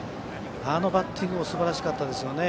あのバッティングもすばらしかったですよね。